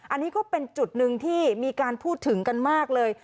อันนี้ก็เป็นจุดหนึ่งที่มีการพูดถึงกันมากเลย